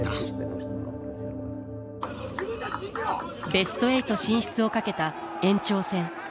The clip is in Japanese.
ベスト８進出をかけた延長戦。